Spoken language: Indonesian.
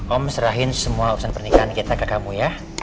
om serahin semua urusan pernikahan kita ke kamu ya